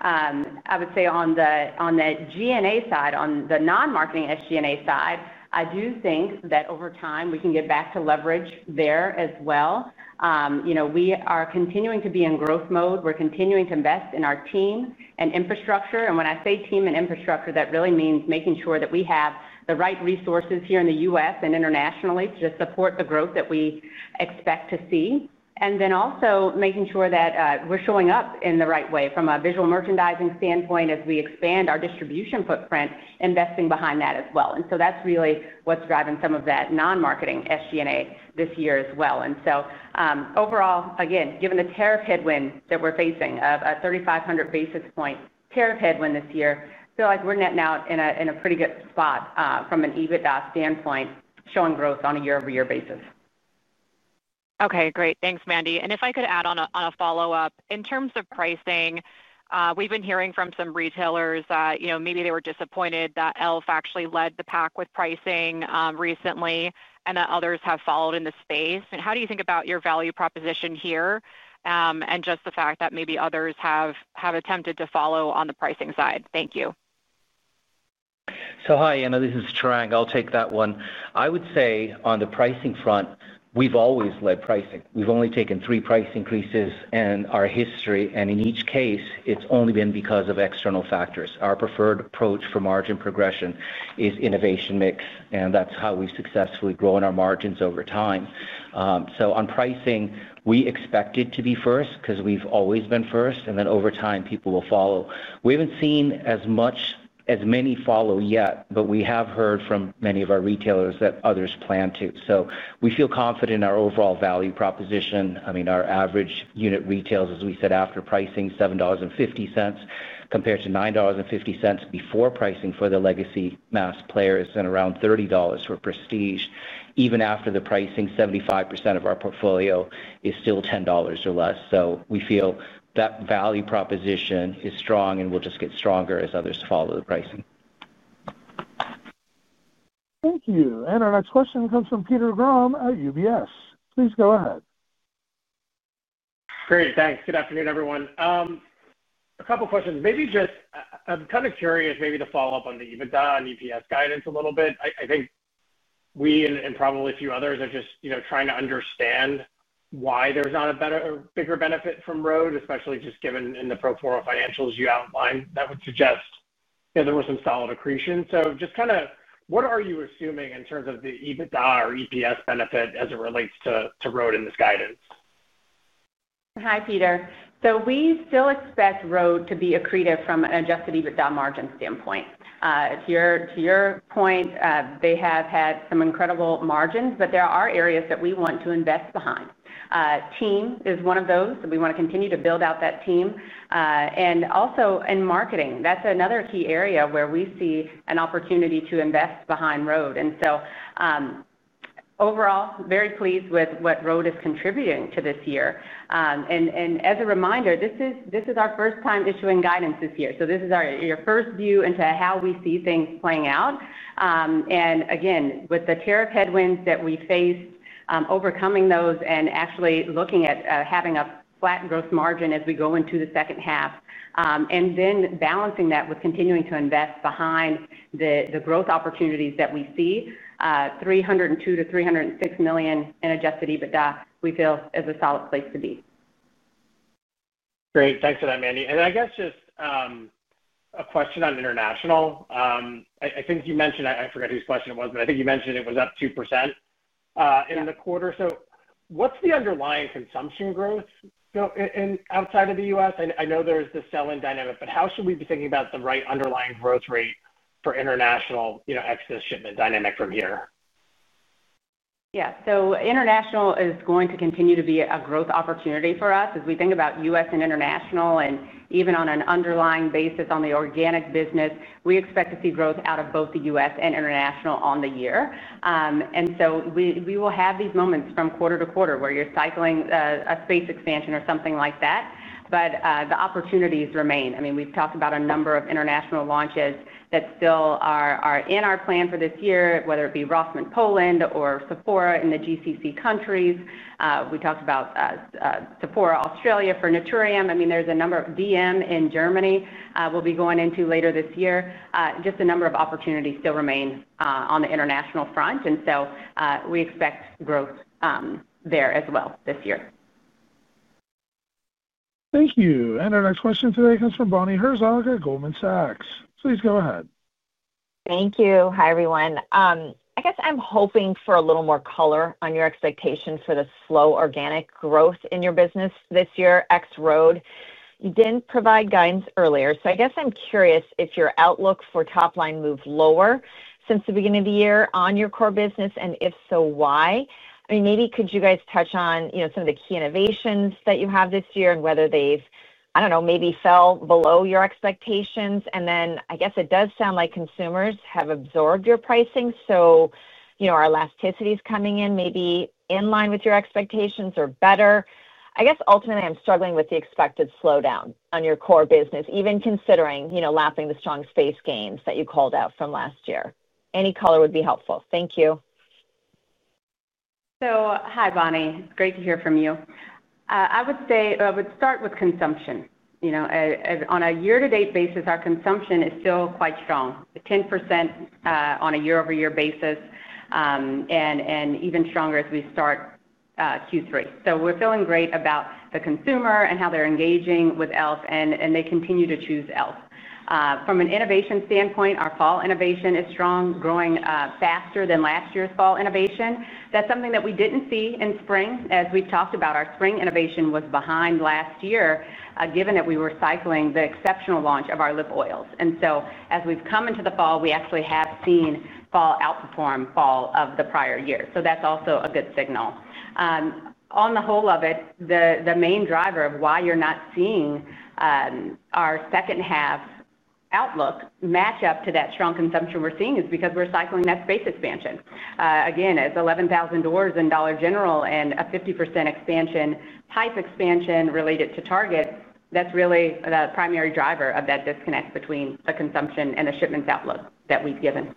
I would say on the G&A side, on the non-marketing SG&A side, I do think that over time we can get back to leverage there as well. We are continuing to be in growth mode. We are continuing to invest in our team and infrastructure. When I say team and infrastructure, that really means making sure that we have the right resources here in the U.S. and internationally to support the growth that we expect to see. Also making sure that we are showing up in the right way from a visual merchandising standpoint as we expand our distribution footprint, investing behind that as well. That is really what is driving some of that non-marketing SG&A this year as well. Overall, again, given the tariff headwind that we're facing of a 3,500 basis point tariff headwind this year, I feel like we're netting out in a pretty good spot from an EBITDA standpoint, showing growth on a year-over-year basis. Okay, great. Thanks, Mandy. If I could add on a follow-up, in terms of pricing, we've been hearing from some retailers that maybe they were disappointed that e.l.f. actually led the pack with pricing recently and that others have followed in the space. How do you think about your value proposition here, and just the fact that maybe others have attempted to follow on the pricing side? Thank you. Hi, Anna, this is Tarang. I'll take that one. I would say on the pricing front, we've always led pricing. We've only taken three price increases in our history, and in each case, it's only been because of external factors. Our preferred approach for margin progression is innovation mix, and that's how we successfully grow in our margins over time. On pricing, we expect it to be first because we've always been first, and then over time, people will follow. We haven't seen as many follow yet, but we have heard from many of our retailers that others plan to. We feel confident in our overall value proposition. I mean, our average unit retails, as we said after pricing, $7.50 compared to $9.50 before pricing for the legacy mass players and around $30 for prestige. Even after the pricing, 75% of our portfolio is still $10 or less. We feel that value proposition is strong and will just get stronger as others follow the pricing. Thank you. Our next question comes from Peter Grom at UBS. Please go ahead. Great. Thanks. Good afternoon, everyone. A couple of questions. Maybe just I'm kind of curious maybe to follow up on the EBITDA and EPS guidance a little bit. I think we and probably a few others are just trying to understand why there's not a bigger benefit from Rhode, especially just given in the pro forma financials you outlined that would suggest there was some solid accretion. Just kind of what are you assuming in terms of the EBITDA or EPS benefit as it relates to Rhode in this guidance? Hi, Peter. We still expect Rhode to be accretive from an adjusted EBITDA margin standpoint. To your point, they have had some incredible margins, but there are areas that we want to invest behind. Team is one of those. We want to continue to build out that team. Also in marketing, that's another key area where we see an opportunity to invest behind Rhode. Overall, very pleased with what Rhode is contributing to this year. As a reminder, this is our first time issuing guidance this year. This is your first view into how we see things playing out. With the tariff headwinds that we faced, overcoming those and actually looking at having a flat gross margin as we go into the second half, and then balancing that with continuing to invest behind the growth opportunities that we see, $302 million-$306 million in adjusted EBITDA, we feel is a solid place to be. Great. Thanks for that, Mandy. I guess just a question on international. I think you mentioned, I forgot whose question it was, but I think you mentioned it was up 2% in the quarter. What's the underlying consumption growth outside of the U.S.? I know there's the selling dynamic, but how should we be thinking about the right underlying growth rate for international excess shipment dynamic from here? Yeah. International is going to continue to be a growth opportunity for us. As we think about U.S. and international, and even on an underlying basis on the organic business, we expect to see growth out of both the U.S. and international on the year. We will have these moments from quarter to quarter where you're cycling a space expansion or something like that, but the opportunities remain. I mean, we've talked about a number of international launches that still are in our plan for this year, whether it be Rossmann, Poland, or Sephora in the Gulf Cooperation Council countries. We talked about Sephora Australia for Naturium. I mean, there's a number of DM in Germany we'll be going into later this year. Just a number of opportunities still remain on the international front. We expect growth there as well this year. Thank you. Our next question today comes from Bonnie Herzog at Goldman Sachs. Please go ahead. Thank you. Hi, everyone. I guess I'm hoping for a little more color on your expectation for the slow organic growth in your business this year, ex-Rhode. You didn't provide guidance earlier. I guess I'm curious if your outlook for top line moved lower since the beginning of the year on your core business, and if so, why? I mean, maybe could you guys touch on some of the key innovations that you have this year and whether they've, I don't know, maybe fell below your expectations. I guess it does sound like consumers have absorbed your pricing, so our elasticity is coming in maybe in line with your expectations or better. I guess ultimately, I'm struggling with the expected slowdown on your core business, even considering lapping the strong space gains that you called out from last year. Any color would be helpful. Thank you. Hi, Bonnie. It's great to hear from you. I would start with consumption. On a year-to-date basis, our consumption is still quite strong, 10% on a year-over-year basis. Even stronger as we start Q3. We're feeling great about the consumer and how they're engaging with e.l.f., and they continue to choose e.l.f. From an innovation standpoint, our fall innovation is strong, growing faster than last year's fall innovation. That's something that we didn't see in spring. As we've talked about, our spring innovation was behind last year, given that we were cycling the exceptional launch of our lip oils. As we've come into the fall, we actually have seen fall outperform fall of the prior year. That's also a good signal. On the whole of it, the main driver of why you're not seeing. Our second-half outlook match up to that strong consumption we're seeing is because we're cycling that space expansion. Again, as 11,000 doors in Dollar General and a 50% expansion, hype expansion related to Target, that's really the primary driver of that disconnect between the consumption and the shipments outlook that we've given.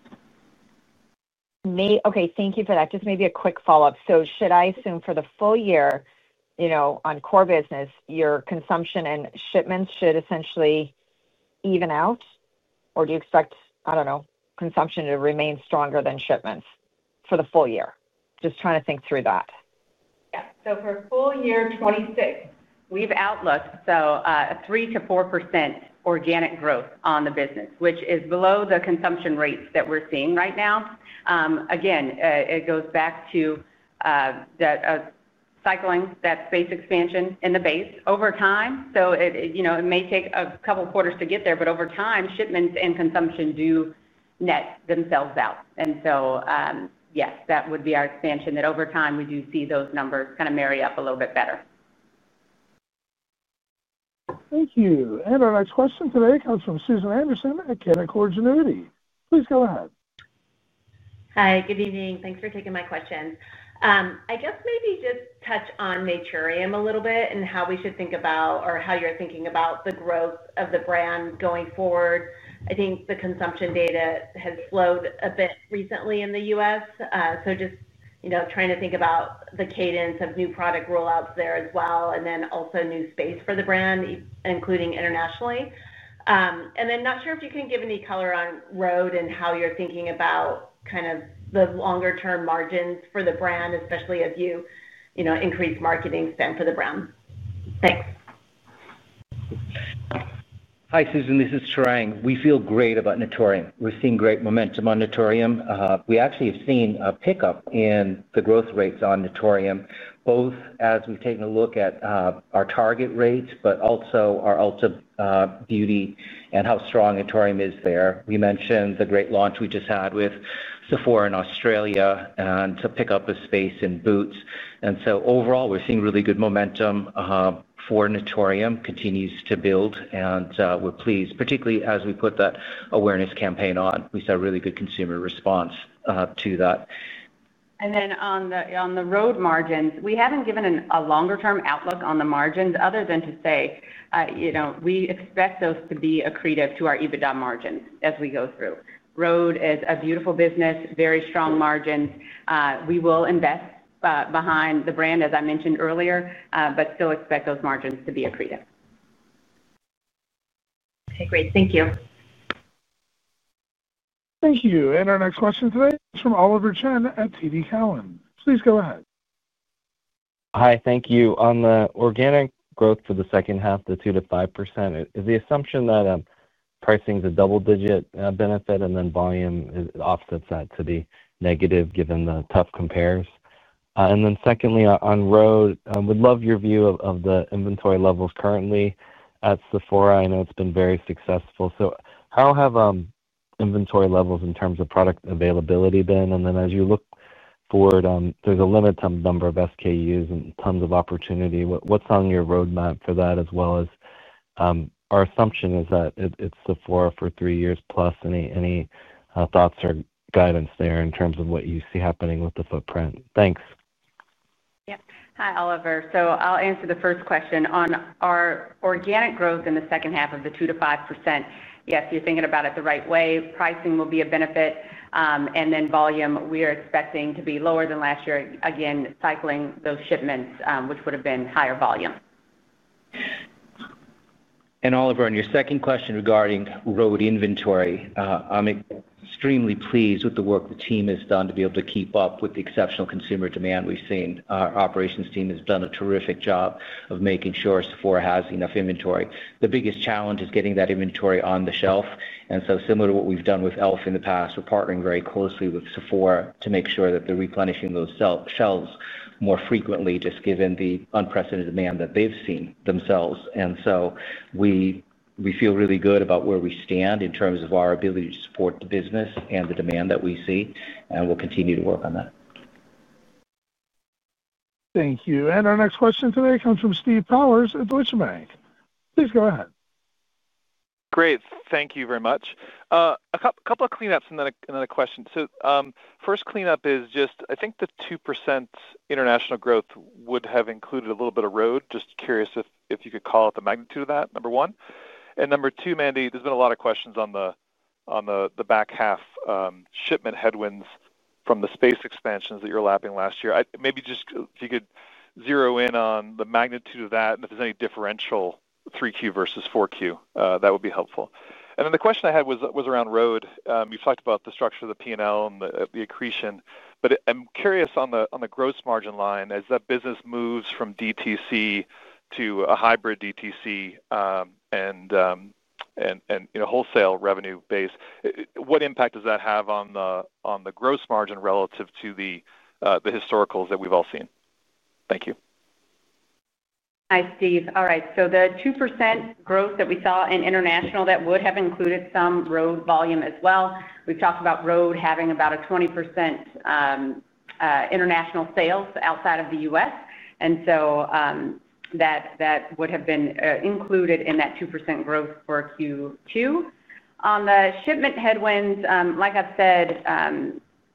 Okay, thank you for that. Just maybe a quick follow-up. Should I assume for the full year, on core business, your consumption and shipments should essentially even out? Or do you expect, I don't know, consumption to remain stronger than shipments for the full year? Just trying to think through that. Yeah. For full year 2026, we've outlooked a 3%-4% organic growth on the business, which is below the consumption rates that we're seeing right now. Again, it goes back to cycling that space expansion in the base over time. It may take a couple of quarters to get there, but over time, shipments and consumption do net themselves out. Yes, that would be our expectation that over time we do see those numbers kind of marry up a little bit better. Thank you. Our next question today comes from Susan Anderson at Canaccord Genuity. Please go ahead. Hi, good evening. Thanks for taking my questions. I guess maybe just touch on Naturium a little bit and how we should think about or how you're thinking about the growth of the brand going forward. I think the consumption data has slowed a bit recently in the U.S. Just trying to think about the cadence of new product rollouts there as well, and then also new space for the brand, including internationally. Not sure if you can give any color on Rhode and how you're thinking about kind of the longer-term margins for the brand, especially as you increase marketing spend for the brand. Thanks. Hi, Susan. This is Tarang. We feel great about Naturium. We're seeing great momentum on Naturium. We actually have seen a pickup in the growth rates on Naturium, both as we've taken a look at our Target rates, but also our Ulta Beauty and how strong Naturium is there. We mentioned the great launch we just had with Sephora in Australia and to pick up a space in Boots. Overall, we're seeing really good momentum for Naturium continues to build. We're pleased, particularly as we put that awareness campaign on. We saw really good consumer response to that. On the Rhode margins, we have not given a longer-term outlook on the margins other than to say we expect those to be accretive to our EBITDA margins as we go through. Rhode is a beautiful business, very strong margins. We will invest behind the brand, as I mentioned earlier, but still expect those margins to be accretive. Okay, great. Thank you. Thank you. Our next question today is from Oliver Chen at TD Cowen. Please go ahead. Hi, thank you. On the organic growth for the second half, the 2%-5%, is the assumption that pricing is a double-digit benefit and then volume offsets that to be negative given the tough comparisons? Secondly, on Rhode, I would love your view of the inventory levels currently at Sephora. I know it's been very successful. How have inventory levels in terms of product availability been? As you look forward, there's a limited number of SKUs and tons of opportunity. What's on your roadmap for that, as well as our assumption that it's Sephora for three years plus? Any thoughts or guidance there in terms of what you see happening with the footprint? Thanks. Yep. Hi, Oliver. I'll answer the first question. On our organic growth in the second half of the 2%-5%, yes, you're thinking about it the right way. Pricing will be a benefit. Then volume, we are expecting to be lower than last year, again, cycling those shipments, which would have been higher volume. Oliver, on your second question regarding Rhode inventory, I'm extremely pleased with the work the team has done to be able to keep up with the exceptional consumer demand we've seen. Our operations team has done a terrific job of making sure Sephora has enough inventory. The biggest challenge is getting that inventory on the shelf. Similar to what we've done with e.l.f. in the past, we're partnering very closely with Sephora to make sure that they're replenishing those shelves more frequently, just given the unprecedented demand that they've seen themselves. We feel really good about where we stand in terms of our ability to support the business and the demand that we see. We'll continue to work on that. Thank you. Our next question today comes from Stephen Powers at Deutsche Bank. Please go ahead. Great. Thank you very much. A couple of cleanups and then another question. The first cleanup is just, I think the 2% international growth would have included a little bit of Rhode. Just curious if you could call out the magnitude of that, number one. Number two, Mandy, there's been a lot of questions on the back half shipment headwinds from the space expansions that you're lapping last year. Maybe just if you could zero in on the magnitude of that and if there's any differential 3Q versus 4Q, that would be helpful. The question I had was around Rhode. You've talked about the structure of the P&L and the accretion, but I'm curious on the gross margin line, as that business moves from DTC to a hybrid DTC and wholesale revenue base, what impact does that have on the gross margin relative to the business historicals that we've all seen? Thank you. Hi, Steve. All right. The 2% growth that we saw in international, that would have included some Rhode volume as well. We've talked about Rhode having about a 20% international sales outside of the U.S. That would have been included in that 2% growth for Q2. On the shipment headwinds, like I've said,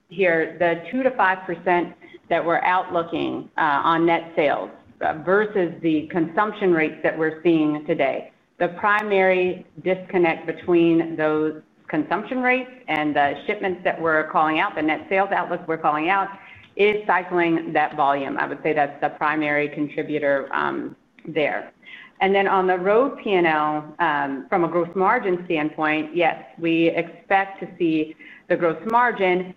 the 2%-5% that we're outlooking on net sales versus the consumption rates that we're seeing today, the primary disconnect between those consumption rates and the shipments that we're calling out, the net sales outlook we're calling out, is cycling that volume. I would say that's the primary contributor there. Then on the Rhode P&L, from a gross margin standpoint, yes, we expect to see the gross margin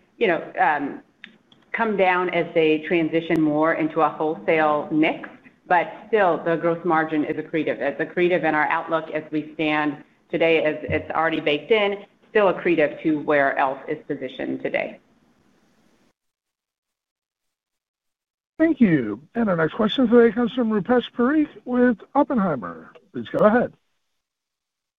come down as they transition more into a wholesale mix, but still, the gross margin is accretive. It's accretive in our outlook as we stand today. It's already baked in, still accretive to where e.l.f. is positioned today. Thank you. Our next question today comes from Rupesh Parikh with Oppenheimer. Please go ahead.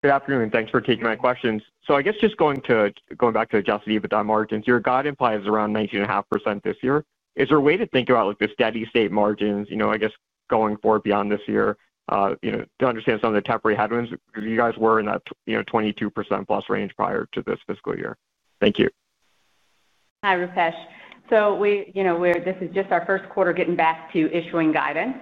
Good afternoon. Thanks for taking my questions. I guess just going back to adjusted EBITDA margins, your guidance is around 19.5% this year. Is there a way to think about the steady-state margins, I guess, going forward beyond this year? To understand some of the temporary headwinds, you guys were in that 22%+ range prior to this fiscal year. Thank you. Hi, Rupesh. This is just our first quarter getting back to issuing guidance.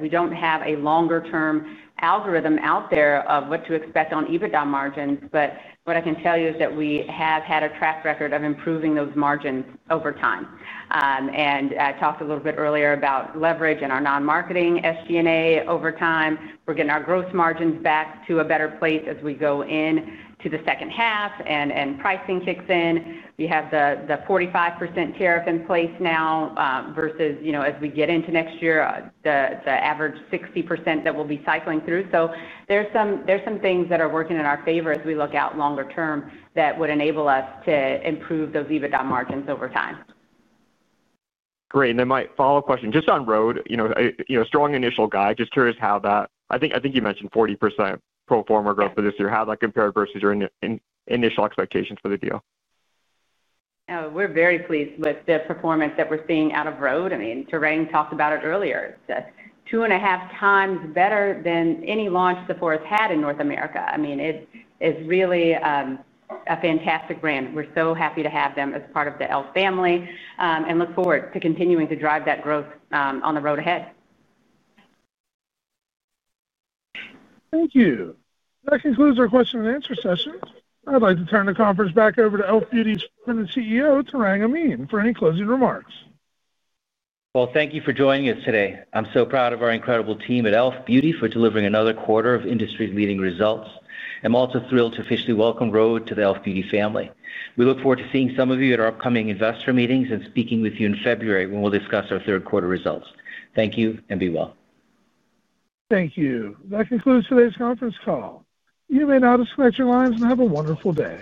We do not have a longer-term algorithm out there of what to expect on EBITDA margins, but what I can tell you is that we have had a track record of improving those margins over time. I talked a little bit earlier about leverage and our non-marketing SG&A over time. We are getting our gross margins back to a better place as we go into the second half and pricing kicks in. We have the 45% tariff in place now versus as we get into next year, the average 60% that we will be cycling through. There are some things that are working in our favor as we look out longer term that would enable us to improve those EBITDA margins over time. Great. Then my follow-up question, just on Rhode, strong initial guide, just curious how that, I think you mentioned 40% pro forma growth for this year. How does that compare versus your initial expectations for the deal? We're very pleased with the performance that we're seeing out of Rhode. I mean, Tarang talked about it earlier. It's 2.5 times better than any launch Sephora's had in North America. I mean, it's really a fantastic brand. We're so happy to have them as part of the e.l.f. family and look forward to continuing to drive that growth on the road ahead. Thank you. That concludes our question and answer session. I'd like to turn the conference back over to e.l.f. Beauty's founding CEO, Tarang Amin, for any closing remarks. Thank you for joining us today. I'm so proud of our incredible team at e.l.f. Beauty for delivering another quarter of industry-leading results. I'm also thrilled to officially welcome Rhode to the e.l.f. Beauty family. We look forward to seeing some of you at our upcoming investor meetings and speaking with you in February when we'll discuss our third quarter results. Thank you and be well. Thank you. That concludes today's conference call. You may now disconnect your lines and have a wonderful day.